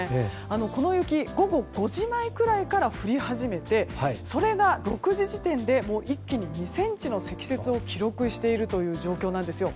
この雪、午後５時前くらいから降り始めてそれが６時時点で一気に２ｃｍの積雪を記録しているという状況なんです。